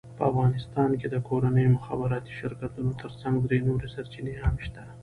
په افغانستان کې د کورنیو مخابراتي شرکتونو ترڅنګ درې نورې سرچینې هم شته،